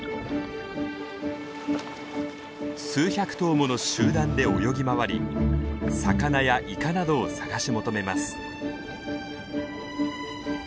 数百頭もの集団で泳ぎ回り魚やイカなどを探し求めます。